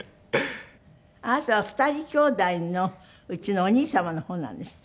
あなたは２人兄弟のうちのお兄様の方なんですって？